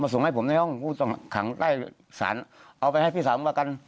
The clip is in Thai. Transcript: มาส่งให้ผมในห้องพูซองขังใต้ศานเอาไปให้พี่สามประกัน